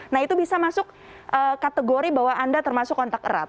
nah itu bisa masuk kategori bahwa anda termasuk kontak erat